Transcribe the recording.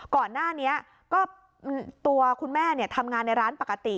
ก่อนหน้านี้ก็ตัวคุณแม่ทำงานในร้านปกติ